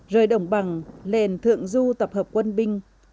rời đồng bằng lên thượng du tập hợp quân binh